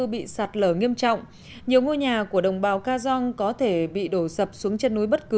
bị sạt lở nghiêm trọng nhiều ngôi nhà của đồng bào ca giong có thể bị đổ sập xuống chân núi bất cứ